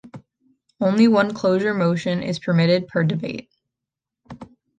Only one closure motion is permitted per debate.